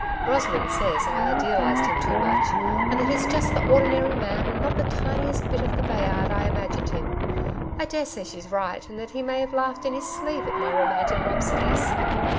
Rosamond says I idealised him too much, and that he's just the ordinary man and not the tiniest bit of the Bayard I imagined him. I daresay she's right, and that he may have laughed in his sleeve at my romantic rhapsodies.